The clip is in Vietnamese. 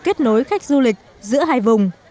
kết nối khách du lịch giữa hai vùng